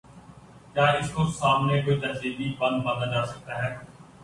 کیا اس کے سامنے کوئی تہذیبی بند باندھا جا سکتا ہے؟